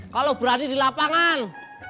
kalau berani di lapangan